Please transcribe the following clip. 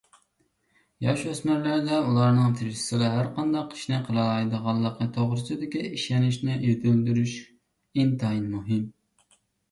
ياش-ئۆسمۈرلەردە ئۇلارنىڭ تىرىشسىلا ھەرقانداق ئىشنى قىلالايدىغانلىقى توغرىسىدىكى ئىشەنچىنى يېتىلدۈرۈش ئىنتايىن مۇھىم.